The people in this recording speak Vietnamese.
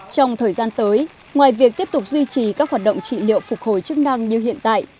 trong thời gian tới ngoài việc tiếp tục duy trì các hoạt động trị liệu phục hồi chức năng như hiện tại